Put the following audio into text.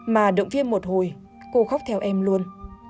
mà động viên một hồi cô khóc theo em luôn